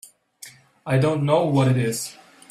I don't know what it is.